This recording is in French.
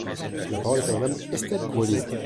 La parole est à Madame Estelle Grelier.